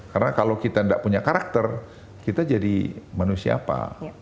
karena kalau kita nggak punya karakter kita jadi manusia apa